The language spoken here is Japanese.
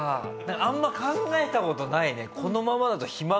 あんま考えた事ないね。